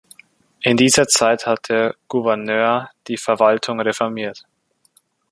In dieser Zeit hat der Gouverneur die Verwaltung reformiert.